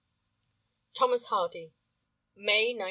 Thomas Hardy. May, 1909.